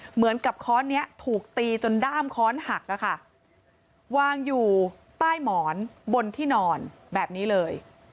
เหมือนกับค้อนนี้ถูกตีจนด้ามค้อนหักวางอยู่ใต้หมอนบนที่นอนแบบนี้เลย